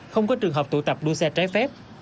không có trường hợp tụ tập đua xe trái phép